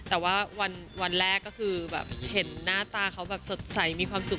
แต่ว่าวันแรกก็คือแบบเห็นหน้าตาเขาแบบสดใสมีความสุข